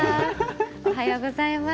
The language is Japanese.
おはようございます。